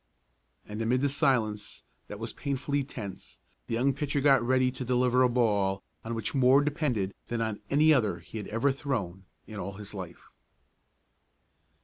And, amid a silence that was painfully tense, the young pitcher got ready to deliver a ball on which more depended than on any other he had ever thrown in all his life.